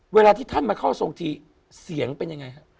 เวลาที่ท่านมาเข้าทรงทีเสียงเป็นยังไงฮะ